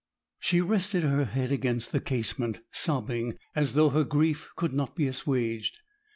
She rested her head against the casement, sobbing, as though her grief could not be assuaged.